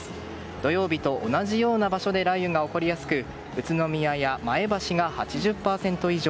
土曜日と同じような場所で雷雨が起こりやすく宇都宮や前橋が８０％以上。